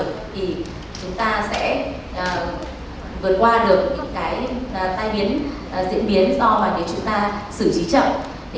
thì chúng ta sẽ vượt qua được những cái tai biến diễn biến do mà nếu chúng ta xử trí chậm